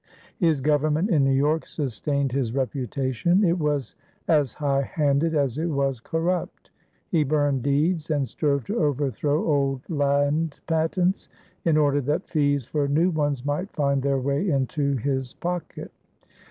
His government in New York sustained his reputation: it was as high handed as it was corrupt. He burned deeds and strove to overthrow old land patents, in order that fees for new ones might find their way into his pocket.